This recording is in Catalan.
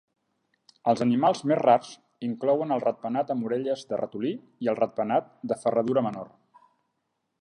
Els animals més rars inclouen el ratpenat amb orelles de ratolí i el ratpenat de ferradura menor.